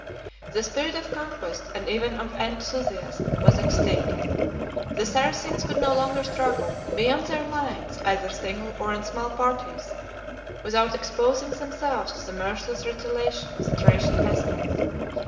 The spirit of conquest, and even of enthusiasm, was extinct: the Saracens could no longer struggle, beyond their lines, either single or in small parties, without exposing themselves to the merciless retaliation of the Thracian peasants.